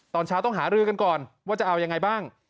ตอนเช้าต้องหารือกันก่อนว่าจะเอายังไงบ้าง